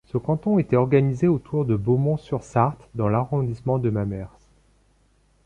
Ce canton était organisé autour de Beaumont-sur-Sarthe dans l'arrondissement de Mamers.